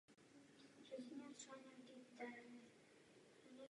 Jinak daňoví poplatníci zaplatí dodávky energie navíc.